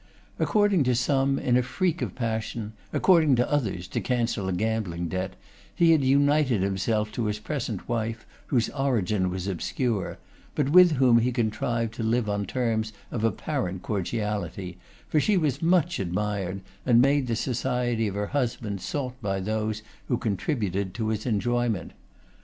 According to some, in a freak of passion, according to others, to cancel a gambling debt, he had united himself to his present wife, whose origin was obscure; but with whom he contrived to live on terms of apparent cordiality, for she was much admired, and made the society of her husband sought by those who contributed to his enjoyment.